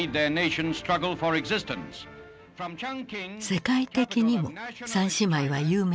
世界的にも三姉妹は有名だった。